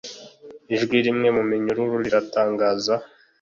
ijwi rimwe muminyururu riratangaza